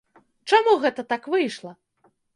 Чаму гэта так выйшла?